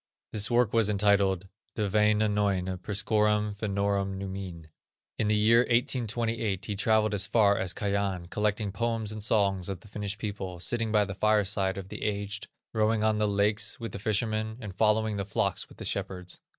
This work was entitled: De Wainainoine priscorum Fennorum numine. In the year 1828, he travelled as far as Kajan, collecting poems and songs of the Finnish people, sitting by the fireside of the aged, rowing on the lakes with the fishermen, and following the flocks with the shepherds.